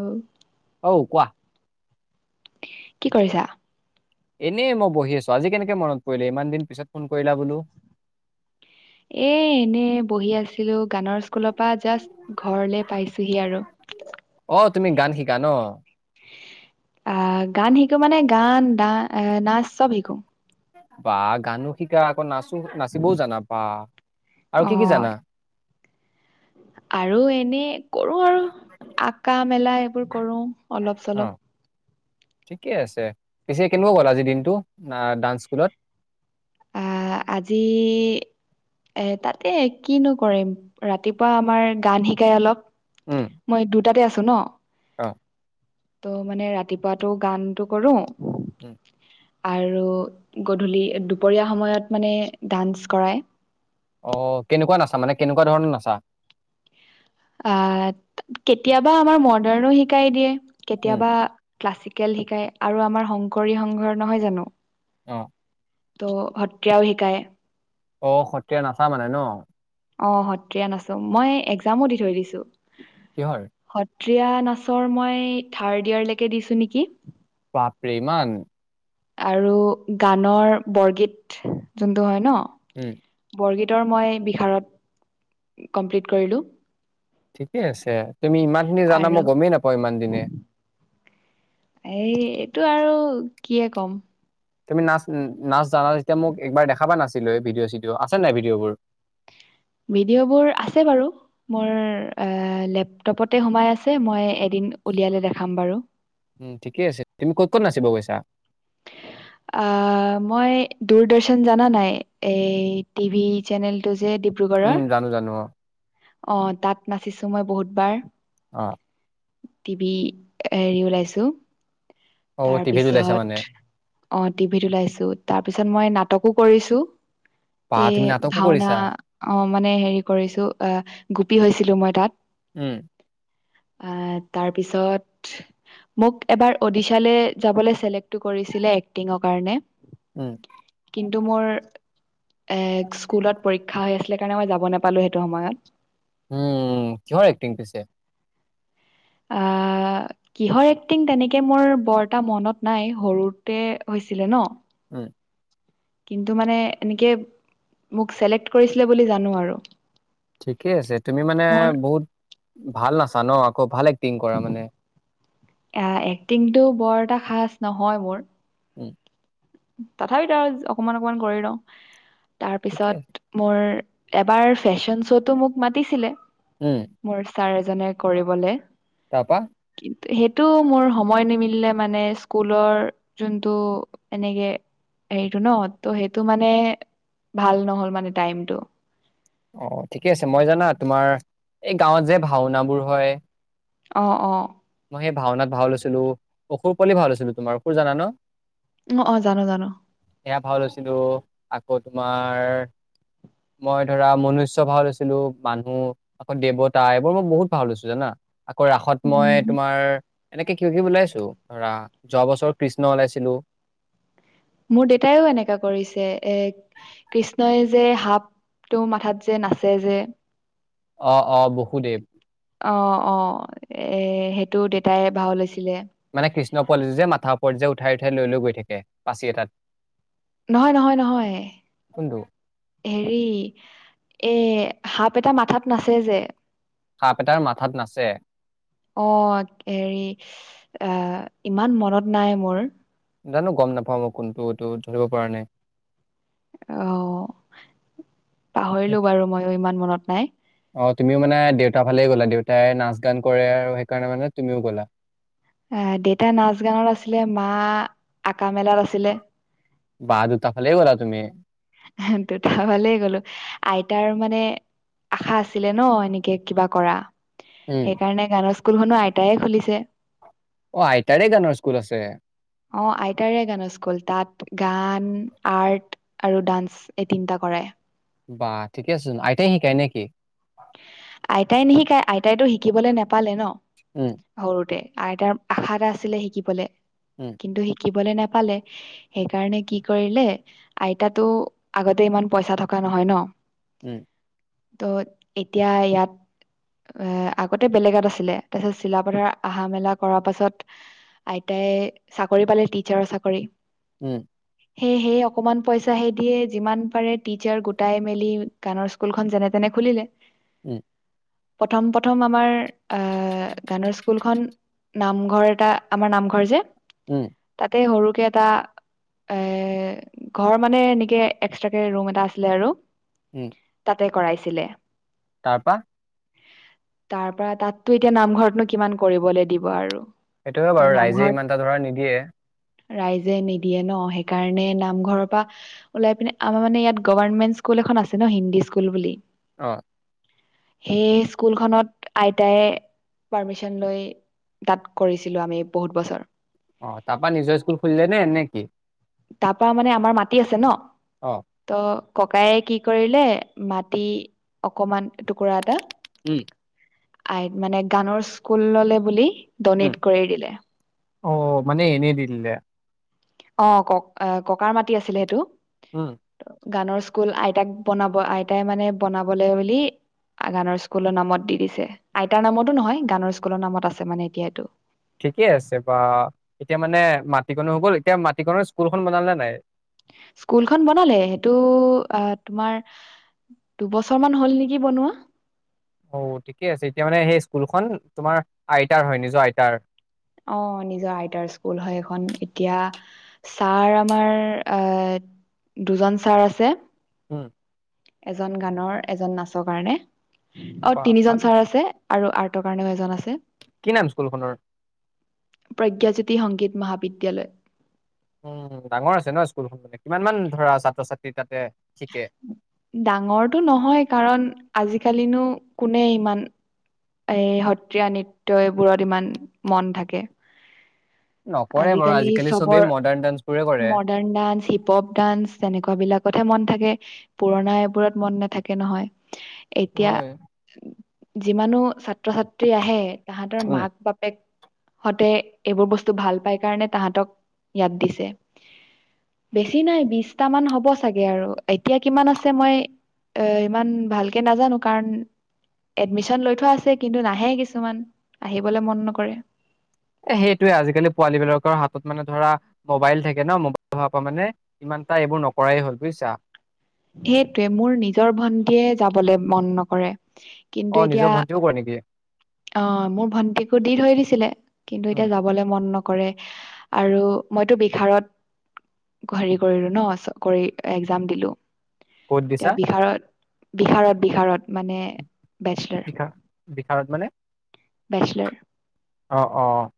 অ। ঔ কোৱা। কি কৰিছা? এনেই মই বহি আছো, আজি কেনেকে মনত পৰিলে? ইমান দিন পিছত ফোন কৰিলা বোলো। এ এনেই বহি আছিলো গানৰ স্কুলৰ পৰা জাষ্ট ঘৰলে পাইছোহি আৰু। অ তুমি গান শিকা ন? আহ গান শিকো মানে দা নাচ চব শিকো। বাহ গানো শিকা আকৌ নাচো নাচিবও জানা বাহ, আৰু অ কি কি জানা? আৰু এনেই কৰোঁ আৰু আকা মেলা এইবোৰ কৰোঁ অলপ অ চলপ। ঠিকে আছে, পিছে কেনেকুৱ গ'ল আজি দিনটো না ডান্স স্কুলত? আ আজি এ তাতে কিনো কৰিম ৰাতিপুৱা আমাৰ গান শিকাই অলপ। মই দুটাতে আছো ন? অঁ। ত' মানে ৰাতিপুৱাতটো গানটো কৰোঁ উম। আৰু গধূলি দুপৰীয়া সময়ত মানে ডান্স কৰায়। অ কেনেকুৱা নাচা মানে কেনেকুৱা ধৰণৰ নাচা? আহ কেতিয়াবা আমাৰ মডাৰ্ণো শিকাই দিয়ে, উম কেতিয়াবা ক্লাছিকেল শিকাই আৰু আমাৰ শংকৰী সংঘৰ নহয় জানো অঁ। ত' সত্ৰীয়াও শিকায়। অ সত্ৰীয়া নাচা মানে ন? অ সত্ৰীয়া নাচুং, মই একজামো দি থৈ দিছো। কিহৰ? সত্ৰীয়া নাচৰ মই থাৰ্ড ইয়াৰলেকে দিছো নেকি। বাপৰে ইমান! আৰু গানৰ বৰগীত যোনটো হয় ন উম। বৰগীতৰ মই বিশহাৰত, কমপ্লিট কৰিলোঁ। ঠিকে আছে তুমি ইমানখিনি জানা আৰু মই গমেই নাপাওঁ ইমান দিনে। এই এইটো আৰু কিয়ে কম। তুমি নাচ নাচ জানা যেয়া মোক একবাৰ দেখা বা না নাচিলৈ ভিডিঅ' চিডিঅ' আছে নাই ভিডিঅ' বোৰ। ভিডিঅ'বোৰ আছে বাৰু। মোৰ লেপটপতে সোমাই আছে মই এদিন উলিয়ালে দেখাম বাৰু। উম ঠিকে আছে, তুমি ক'ত কত নাচিব গৈছা? [unintelligible] আহ মই দূৰদৰ্শন জাননা নাই এ টিভি চেনেলটো যে। উম, ডিব্ৰুগড়ৰ, জানো জানো অ তাত নাচিছো মই বহুতবাৰ। অ। টিভি হেৰি ওলাইছো। অ টিভিত ওলাইছা তাৰপিছত মানে। অ টিভিত ওলাইছো তাৰপিছত মই নাটকো কৰিছো। বাহ এ তুমি নাটকো ভাওনা কৰিছা? অ মানে হেৰি কৰিছো আহ গোপী হৈছিলো মই তাত। উম। আহ তাৰপিছত- মোক এবাৰ উড়িষ্যালৈ যাবলৈ চিলেক্টটো এক্টিঙৰ কাৰণে। উম'। কিন্তু মোৰ, এ স্কুলত পৰীক্ষা হৈ আছিলে কাৰণে মই যাব নেপালো সেইটো সময়ত। উম কিহৰ এক্টিং পিছে? আ কিহৰ এক্টিং তেনেকে মোৰ বৰ এটা মনত নাই সৰুতে হৈছিলে ন। উম। কিন্তু মানে এনেকে, মোক চিলেক্ট কৰিছিলে বুলি জানো আৰু। ঠিকেই আছে তুমি মানে মোৰ বহুত ভাল নাচা ন, আকৌ ভাল এক্টিং কৰা মানে। এক্টিংটো বৰ এটা সাজ নহয় মোৰ। উম। তথাপিতো আৰু অকমান অকমান কৰি লওঁ, ঠিকে আছে। তাৰপিছত- মোৰ এবাৰ ফেশ্বন শ্ব'তটো মোক মাতিছিলে। উম। মোৰ ছাৰ এজনে কৰিবলে। তাৰপৰা। কিন্তু সেইটো মোৰ সময় নিমিলিলে মানে স্কুলৰ যোনটো- এনেকে হেৰিটো ন ত' সেইটো মানে ভাল নহল মানে টাইমতটো। অ', ঠিকে আছে মই জানা তোমাৰ এই গাঁৱত যে ভাওনাবোৰ হয়। অঁহ অঁহ। মই সেই ভাওনাত ভাল লৈছিলোঁ অসুৰ পোৱালি ভাল লৈছিলোঁ, তোমাৰ অসুৰ জানা ন? অ' অ' জানো জানো। সেয়া ভাও লৈছিলো আকৌ তোমাৰ- মই ধৰা মনুষ্য ভাও লৈছিলো মানুহ- আকৌ দেৱতা, এইবোৰ মই বহুত ভাও লৈছো জানা আকৌ ৰাসত মই - উম তাৰ এনেকে কিবা কিবি ওলাইছো ধৰা যোৱা বছৰ কৃষ্ণ ওলাইছিলো। মোৰ দেউতাইও এনেকা কৰিছে এ কৃষ্ণই যে সাপটো মাথাত যে নাচে যে অ'-অ' বসুদেৱ অ'-অ' এ সেইটো দেউেতাই ভাও লৈছিলে। মানে কৃষ্ণ পোৱালিটো যে মাথাৰ ওপৰত যে উঠাই-উঠাই লৈ-লৈ গৈ থাকে পাচি এটাত। নহয়-নহয়-নহয। কোনটো হেৰি এ সাপ এটা মাথাত নাচে যে সাপ এটাৰ মাথাত নাচে অ' হেৰি, আহ ইমান মনত নাই মোৰ। জানো গম নাপাওঁ মই কোনটো এইটো ধৰিব পৰা নাই অ' পাহৰিলো সেইটো বাৰু মইয়ো ইমান মনত নাই। অ তুমিও মানে দেউতাৰ ফালেই গ'লা, দেউতাই নাচ গান কৰে আৰু সেইকাৰণে মানে তুমিও গ'লা। আহ, দেউতা নাচ গানত আছিলে মা আকা মেলাত আছিলে। বাহ দুটা ফালেই গলা তুমি। দুটা ফালেই গ'লো আইতাৰ মানে আশা আছিলে ন' এনেকে কিবা কৰা, উম সেইকাৰণে গানৰ স্কুলখনো আইতায়ে খুলিছে। অ' আইতাৰে গানৰ স্কুল আছে। অ আইতাৰে গানৰ স্কুল তাত গান, আৰ্ট আৰু ডান্স এই তিনটা কৰাই। বাহ ঠিকে আছেচুন আইতাই শিকাই নেকি? আইতাই নিশিকায় আইতাইতো শিকিবলৈ নোপালে ন। উম' সৰুতে, আইতাৰ আশা এটা আছিলে শিকিবলে উম' কিন্তু শিকিবলে নাপালে। সেইকাৰণে কি কৰিলে, আইতাটো আগতে ইমান পইচা থকা নহয় ন উম'- ত য়া ইয়াত এ আগতে বেলেগত আছিলে তাৰপিছত চিলাপথাৰ আহা মেলা কৰাৰ পাছত আইতাই চাকৰি পালে টিচাৰৰ চাকৰি। উম। সেয়েহে অকমান পইচা হেই দিয়ে যিমান পাৰে টিচাৰ গোটাই মেলি গানৰ স্কুলখন যেনেতেনে খুলিলে। উম' প্ৰথম-প্ৰথম আমাৰ আহ গানৰ স্কুলখন নামঘৰ এটা আমাৰ নামঘৰ যে উম'- তাতে সৰুকে এটা এ ঘৰ মানে এনেকে এক্সট্ৰাকে ৰুম এটা আছিলে আৰু উম। তাতে কৰাইছিলে। তাৰপা তাৰপৰা তাততো এতিয়া নামঘৰতনো কিমান কৰিবলৈ দিব আৰু। সেইটো হয় ত' বাৰু ৰাইজে নামঘৰত ইমান এটা ধৰা নিদিয়ে। ৰাইজে নিদিয়ে ন সেইকাৰণে নামঘৰৰ পা ওলাই পিনে আমাৰ মানে ইয়াত গভৰ্ণমেণ্ট স্কুল এখন আছে ন হিন্দী স্কুল বুলি অ সেই স্কুলখনত আইতাই পাৰ্মিচন লৈ তাত কৰিছিলো আমি বহুত বছৰ অ তাপা নিজৰ স্কুল খুলিলে এনে নে তাৰপা মানে আমাৰ মাটি আছে ন অ ত ককায়ে কি কৰিলে মাটি অকমান এটুকুৰা এটা উম আইক মানে গানৰ স্কুলললে বুলি উম। ডনেট কৰি দিলে অ মানে এনে দি দিলে অ ক ককাৰ মাটি আছিলে সেইটো উম গানৰ স্কুল আইতাক বনাব আইতাই মানে বনাবলৈ বুলি গানৰ স্কুলৰ নামত দি দিছে আইতাৰ নামতো নহয় গানৰ স্কুলৰ নামত আছে মানে এতিয়া টো ঠিকে আছে বা এতিয়া মানে মাটিকণো হৈ গ'ল এতিয়া মাটিকণৰ স্কুলখন বনালে নাই স্কুলখন বনালে সেইটো আহ তোমাৰ দুবছৰ মান হ'ল নেকি বনোৱা অ ঠিকে আছে এতিয়া মানে সেই স্কুলখন তোমাৰ আইতাৰ হয় নিজৰ আইতাৰ অ নিজৰ আইতাৰ স্কুল হয় এখন এতিয়া ছাৰ আমাৰ আহ দুজন ছাৰ আছে উম এজন গানৰ এজন নাচৰ কাৰণে অ বাহ তিনিজন ভালে। ছাৰ আছে আৰু আৰ্টৰ কাৰণেও এজন আছে কি নাম স্কুলখনৰ প্ৰজ্ঞাজ্যোতি সংগীত মহাবিদ্যালয় উম ডাঙৰ আছে ন স্কুলখন মানে কিমান মান ধৰা ছাত্ৰ ছাত্ৰী তাতে শিকে ডাঙৰটো নহয় কাৰণ আজিকালিনো কোনে ইমান এই সত্ৰীয়া নৃট্যবোৰত ইমান মন থাকে নকৰে বাৰু আজিকালি চবেই চবৰ মডাৰ্ণ ডান্স বোৰে কৰে। মডাৰ্ণ ডান্স শি পপ ডান্স তেনেকুৱা বিলাকতহে মন থাকে পুৰণা এইবোৰত মন নাথাকে নহয় এতিয়া হয়। যি মানো ছা ছাত্ৰ ছাত্ৰী আহে তাহাঁতৰ উম, মাক বাপেক সতে এইবোৰ বস্তু ভাল পাই কাৰণে তাহাঁতক ইয়াত দিছে বেছি নাই বিশটামান হ'ব চাগে আৰু এতিয়া কিমান আছে মই এ ইমান ভালকে নাজানো কাৰণ এডমিচন লৈ থোৱা আ কিন্তু নাহে কিছুমান আহিবলে মন নকৰে। এ সেইটোৱে আজিকালি পোৱালী বিলাকৰ হাতত মানে ধৰা মোবাইল থাকে ন মোবাইল হোৱাৰ পা মানে ইমান এটা এইবোৰ নকৰাই হল বুইছা। সেইটোৱে মোৰ নিজৰ ভন্টিয়ে যাবলৈ মন নকৰে কিন্তু অ এতিয়া নিজৰ ভণ্টিও কৰে নেকি অ মোৰ ভন্টিকো দি থৈ দিছিলে কিন্তু উম এতিয়া যাবলৈ মন নকৰে আৰু মইতো বিহাৰত হেৰি কৰিলো ন কৰি একজাম দিলো। ক'ত এতিয়া দিছা? বিহাৰত বিহাৰত বিহাৰত মানে বেচলাৰ বিহা বিহাৰত মানে বেচলাৰ অ', অ', অ',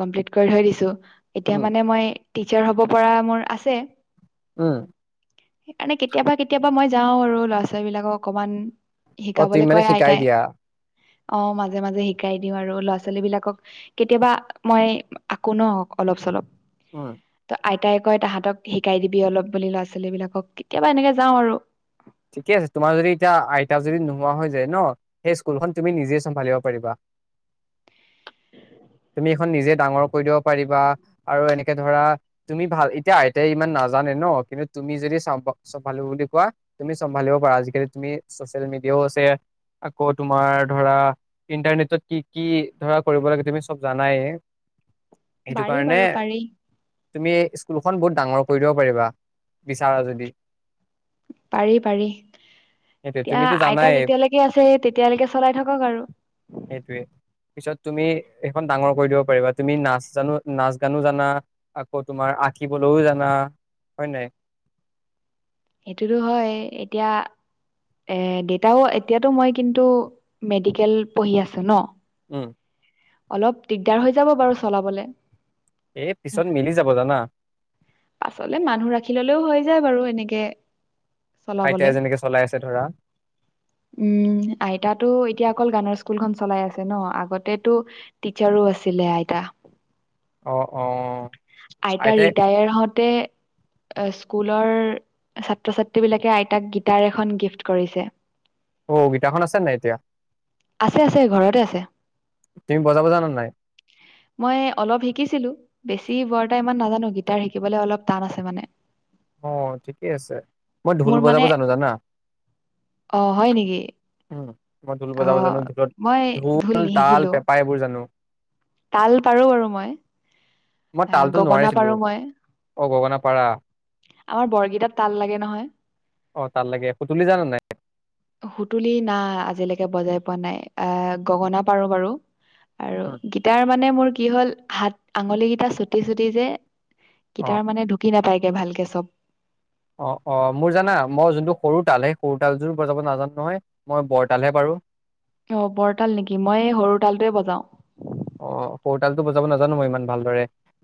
কম্পিলিত কৰি থৈ দিছোঁ। এতিয়া উম মানে মই টিচাৰ হব পৰা মোৰ আছে। উম', সেইকাৰণে কেতিয়াবা কেতিয়াবা মই যাওঁ আৰু ল'ৰা ছোৱালী বিলাকক অকমান অ তুমি শিকাবলৈ মানে কয় শিকাই আইতাই দিয়া অ মাজে মাজে শিকাই দিওঁ আৰু ল'ৰা ছোৱালী বিলাকক কেতিয়াবা মই আকো ন অলপ চলপ হয়। ত আইতাই কয় তাহাঁতক শিকাই দিবি অলপ বুলি ল'ৰা ছোৱালী বিলাকক কেতিয়াবা এনেকে যাওঁ আৰু ঠিকে আছে। তোমাৰ যদি এতিয়া আইতা যদি নোহোৱা হৈ যায়। ন সেই স্কুলখন তুমি নিজে চম্ভালিব পাৰিবা। [inaudible] সেইখন নিজে ডাঙৰ কৰি দিব পাৰিবা আৰু এনেকে ধৰা তুমি ভাল এতিয়া আইতাই ইমান নাজানে ন কিন্তু তুমি যদি চ চ ভালো বুলি কোৱা তুমি চম্ভালিব পাৰা আজিকালি তুমি চচিয়েল মিডিয়াও আছে। আকৌ তোমাৰ ধৰা ইণ্টাৰনেটত কি কি ধৰা কৰিব লাগে তুমি চব জানাই। সেইটো পাৰি কাৰণে বাৰু পাৰি তুমি স্কুলখন বহুত ডাঙৰ কৰি দিব পাৰিবা বিচাৰা যদি পাৰি পাৰি সেইটোৱে এতিয়া তুমিতো জানাই আইতা যেতিয়ালৈকে আছে তেতিয়ালৈকে চলাই থাকক আৰু সেইটোৱে পিছত তুমি সেইখন ডাঙৰ কৰি দিব পাৰিবা তুমি নাচ জানো নাচ গানো জানা। আকৌ তোমাৰ আঁকিবলৈও জানা হয় নাই। সেইটোতো হয় এতিয়া এ দেতাও এতিয়াতো মই কিন্তু মেডিকেল পঢ়ি আছো ন। উম', অলপ দিগদাৰ হৈ যাব বাৰু চলাবলে এ পিছত মিলি যাব জানা পাছলে মানুহ ৰাখি ললেও হৈ যায় বাৰু এনেকে আইতাই চলাবলে যেনেকে চলাই আছে ধৰা উম আইতাতো এতিয়া অকল গানৰ স্কুলখন চলাই আছে ন আগতে টিচাৰো আছিলে আইতা অ', অ'। আইতা আইতাই ৰিটায়াৰ হতে স্কুলৰ ছাত্ৰ ছাত্ৰী বিলাকে আইতাক গীটাৰ এখন গিফ্ট কৰিছে। অ', গীতটাখন আছে নাই এতিয়া আছে আছে ঘৰতে আছে। তুমি বজাব জানাৰ নাই। মই অলপ শিকিছিলো। বেছি বৰ্তটা ইমান নাজানো গীটাৰ শিকিবলৈ অলপ টান আছে। মানে অ', ঠিকেই আছে। মই ঢোল মোৰ মানে বজাব জানো জানা। অ', হয় নেকি? উ মই ঢোল অ বজাব জানো ঢোলত মই ঢোল তাল নিশিকিলো পেঁপা এইবোৰ জানো। তাল পাৰো বাৰু মই মই এ তালতো গগনা নোৱাৰিছিলো পাৰো মই। অ গগনা পাৰা আমাৰ বৰগেইটাত তাল লাগে নহয় অ তাত লাগে সুতুলি জান নাই সুতুলি না আজিলৈকে বজাই পোৱা নাই আহ গগনা পাৰো বাৰু আৰু উম, গীটাৰ মানে মোৰ কি হল হাত আঙুলি গেইটা চুটি চুটি যে। অ', গীটাৰ মানে ঢুকি নাপায়গে ভালকে চব। অ অ মোৰ জানা মই যোনটো সৰু তাল সেই সৰু তাল যোৰ যাব নাজানো নহয় মই বৰতালহে পাৰো। অ বৰতাল নেকি মই সৰু তালটোৱে বজাও। অ বৰ্টাল টো বজাব নাজানো মই ইমান ভালদৰে।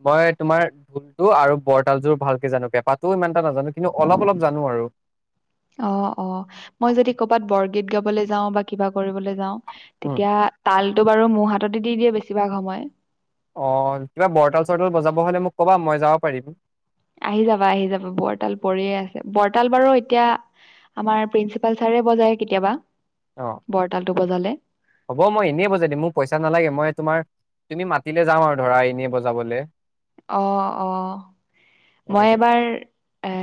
মই তোমাৰ ঢোলতো আৰু বৰতালযোৰ ভালকে জানো বেপাত। তো ইমান এটা নাজানো কিন্তু অলপ অলপ জানো আৰু। অ অ মই যদি কৰ'বাত বৰগীত গাবলৈ যাওঁ বা কিবা কৰিবলৈ যাওঁ উম। তেতিয়া। তালটো বাৰু মোৰ হাততে দি দিয়ে বেছিভাগ সময়। অ কিবা বৰতাল চৰতল বজাব হ'লে মোক ক'বা মই যাব পাৰিম। আহি যাবা আহি যাবা বৰৰতাল পৰিয়ে আছে বৰতাল বাৰু এতিয়া। আমাৰ প্ৰিন্সিপাল ছাৰে বজায় কেতিয়াবা অ', বৰ্তাল টো বজালে। হ'ব মই এনেই বজাই দিম মোৰ পইচা নালাগে মই তোমাৰ। তুমি মাতিলে যাও আৰু ধৰা এনেই বজাবলৈ। অ অ মই এনেকে। এবাৰ। এ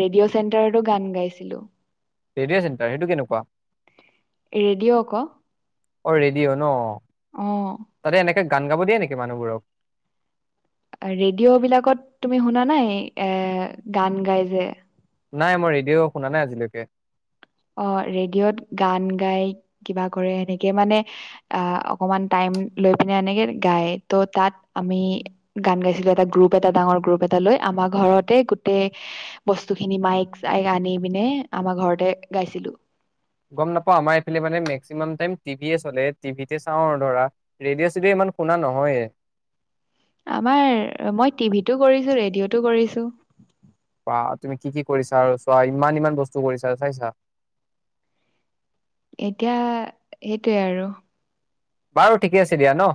ৰেডিঅ' চেণ্টাৰতো গান গাইছিলো। ৰেডিঅ' চেণ্টাৰ সটো কেনেকুৱা। ৰেডিঅ' ক। অ ৰেডিঅ' ন। উম। সদায় এনেকে গান গাব দিয়ে নেকি মানুহবোৰক। ৰেডিঅ' বিলাকত তুমি শুনা নাই এ গান গাই যে। নাই মই ৰেডিঅ' শুনা নাই আজিলৈকে। অ ৰেডিঅ'ত গান গাই কিবা কৰে সেনেকে মানে। আহ অকমান টাইম লৈ পিনে এনেকে গায় ত' তাত আমি। গান গাইছিলো এটা গ্ৰুপ এটা ডাঙৰ গ্ৰুপ এটা। টালৈ আমাৰ ঘৰতে গোটেই বস্তু খিনি মাইক চাইক আনি পিনে আমাৰ ঘৰতে। গাইছিলোঁ। গম নাপাওঁ আমাৰ এইফালে মানে মেক্সিমাম টাই টিভি চলে টিভিতে চাওঁ আৰু ধৰা। ৰেডিঅ' চিডিঅ' ইমান শুনা নহয়ে। আমাৰ মই টিভিতো কৰিছোঁ ৰেডিঅটো কৰিছোঁ। বা তুমি কি কি কৰিছা আৰু চোৱা ইমান ইমান বস্তু কৰিছাঁ চাইছা। এতিয়া সেইটোৱে আৰু। বাৰু ঠিকে আছে দিয়া ন।